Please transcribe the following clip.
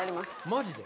マジで？